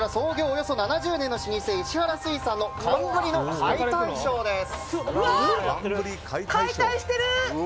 およそ７０年の老舗石原水産の寒ブリ解体ショーです。